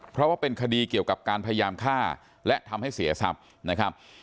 เพราะว่าเป็นคดีเกี่ยวกับการพยายามฆ่าและทำให้เสียทรัพย์นะครับ